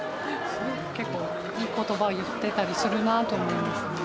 結構いい言葉を言ってたりするなと思いますね。